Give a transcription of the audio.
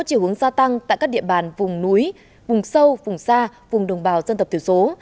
nó chỉ hướng gia tăng tại các địa bàn vùng núi vùng sâu vùng xa vùng đồng bào dân tập tiểu số